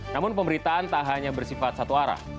namun pemberitaan tak hanya bersifat satu arah